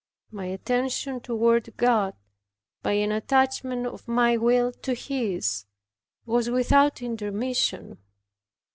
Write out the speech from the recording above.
My attention toward God, by an attachment of my will to His, was without intermission.